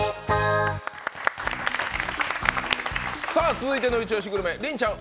続いての一押しグルメりんちゃん